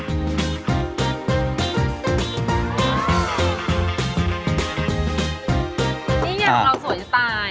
นี่ไงของเราสวยจะตาย